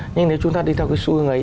nhưng nếu chúng ta đi theo cái xu hướng ấy